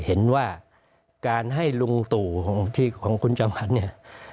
เห็นว่าการให้ลุงตู่ของคุณจอมขวัญเนี่ย